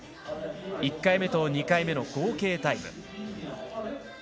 １回目と２回目の合計タイム。